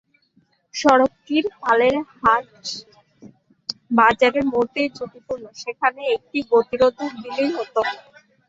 সড়কটির পালের হাট বাজারের মোড়টি ঝুঁকিপূর্ণ, সেখানে একটি গতিরোধক দিলেই হতো।